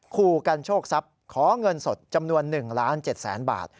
คู่กันโชคทรัพย์ขอเงินสดจำนวน๑๗๐๐๐๐๐บาท